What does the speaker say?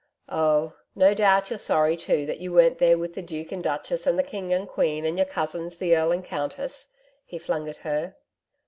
'Oh, no doubt you're sorry too that you weren't there with the Duke and Duchess, and the King and Queen, and your cousins, the Earl and Countess,' he flung at her.